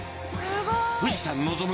富士山望む